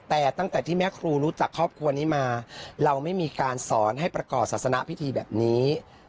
แต่ตั้งแต่ที่แม่ครูรู้จักครอบครัวนี้มาเราไม่มีการสอนให้ประกอบศาสนพิธีแบบนี้